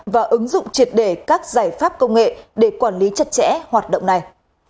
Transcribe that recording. và ứng dụng triệt đề các giải pháp công nghệ để quản lý chặt chẽ hoạt động này